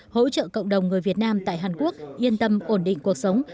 hỗ trợ cộng đồng người việt nam tại hàn quốc yên tâm ổn định cuộc sống